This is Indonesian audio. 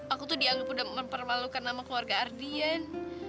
aku tuh dianggap udah mempermalukan nama keluarga ardian